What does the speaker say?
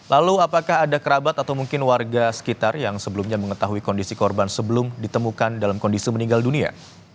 lalu apakah ada kerabat atau mungkin warga sekitar yang sebelumnya mengetahui kondisi korban sebelum ditemukan dalam kondisi meninggal dunia